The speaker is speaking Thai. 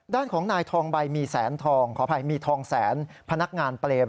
ด้านของนายทองใบมีแสนทอง